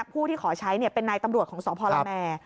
ผู้ที่ขอใช้เป็นนายตำรวจของสพละแมร์